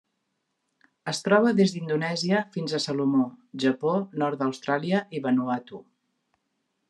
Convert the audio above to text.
Es troba des d'Indonèsia fins a Salomó, Japó, nord d'Austràlia i Vanuatu.